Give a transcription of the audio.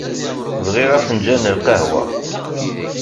Bɣiɣ afenǧal n lqehwa.